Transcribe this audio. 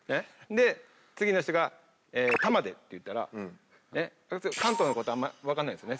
で次の人が玉出って言ったら関東の方あんまわかんないですね。